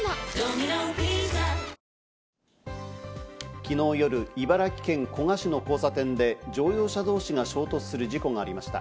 昨日夜、茨城県古河市の交差点で乗用車同士が衝突する事故がありました。